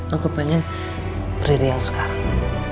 aku pengen riri yang sekarang